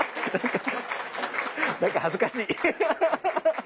何か恥ずかしいアハハ！